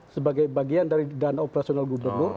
sebagai bagian dari dana operasional gubernur